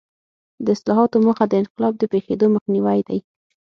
د اصلاحاتو موخه د انقلاب د پېښېدو مخنیوی دی.